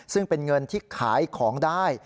ซึ่งเป็นเงินที่ขายของได้